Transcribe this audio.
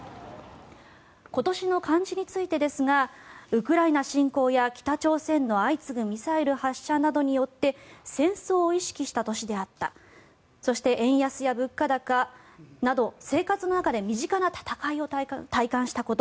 今年の漢字についてですがウクライナ侵攻や北朝鮮の相次ぐミサイル発射などによって戦争を意識した年であったそして、円安や物価高など生活の中で身近な戦いを体感したこと。